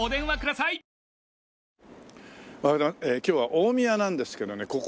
今日は大宮なんですけどね